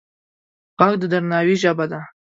غږ د درناوي ژبه ده